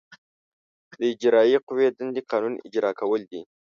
د اجرائیه قوې دندې قانون اجرا کول دي.